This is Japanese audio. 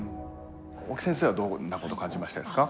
大木先生はどんなことを感じましたですか？